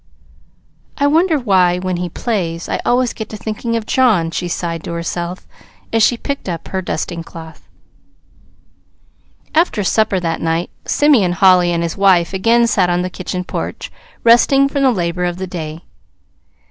"I wonder why, when he plays, I always get to thinking of John," she sighed to herself, as she picked up her dusting cloth. After supper that night, Simeon Holly and his wife again sat on the kitchen porch, resting from the labor of the day.